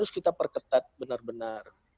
kita perketat benar benar